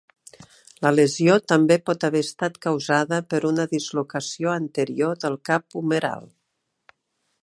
La lesió també pot haver estat causada per una dislocació anterior del cap humeral.